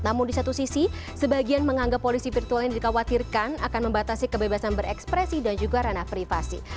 namun di satu sisi sebagian menganggap polisi virtual ini dikhawatirkan akan membatasi kebebasan berekspresi dan juga ranah privasi